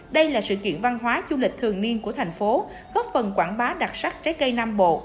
đây là sự kiện văn hóa du lịch thường niên của thành phố góp phần quảng bá đặc sắc trái cây nam bộ